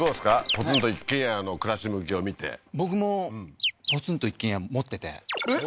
ポツンと一軒家の暮らし向きを見て僕もポツンと一軒家持っててえっ？